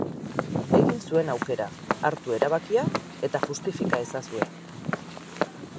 Egin zuen aukera, hartu erabakia, eta justifika ezazue.